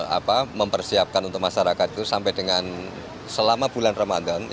apa mempersiapkan untuk masyarakat itu sampai dengan selama bulan ramadan